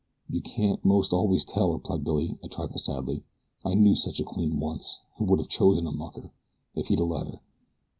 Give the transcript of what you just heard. "You can't most always tell," replied Billy, a trifle sadly. "I knew such a queen once who would have chosen a mucker, if he'd a let her.